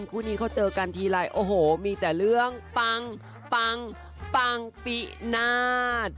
คู่นี้เขาเจอกันทีไรโอ้โหมีแต่เรื่องปังปังปังปินาศ